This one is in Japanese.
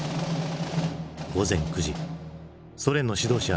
午前９時ソ連の指導者